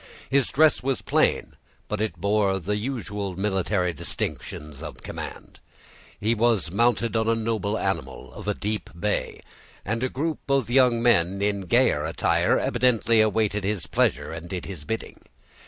His dress was plain, but it bore the usual military distinctions of command. He was mounted on a noble animal, of a deep bay; and a group of young men, in gayer attire, evidently awaited his pleasure and did his bidding.